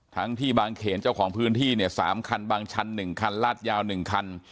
ทั้งที่บางเขนเจ้าของพื้นที่เนี่ย๓คันบางชั้น๑คันลาดยาว๑คัน